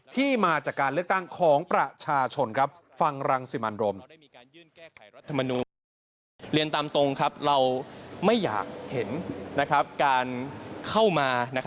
ที่มาจากการเลือกตั้งของประชาชนฟังรังสิมันโรม